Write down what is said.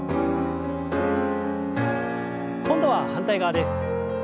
今度は反対側です。